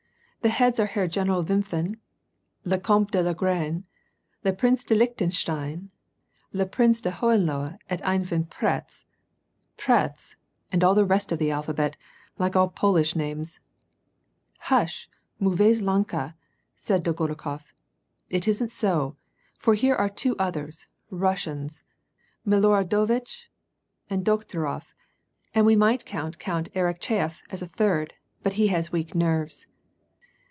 The heads are Herr G^n6ral Wimpfen, le Comte de Langeron, le Prince de Lichtenstein, le Prince de Hohenlohe et enfin Prscz — Prscz — and all the rest of the alphabet, like all Polish' names." " Hush, viauvaise languel'^ said Dolgorukof, — "It isn't so, for here are two others, Russians, Miloradovitch and Dokh turof, and we might count Count Arakcheyef as a third, but he has weak nerves."